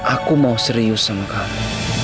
aku mau serius sama sekali